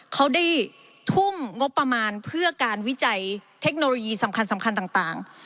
เขาได้ทุ่มงบประมาณเพื่อการวิจัยเทคโนโลยีสำคัญสำคัญต่าง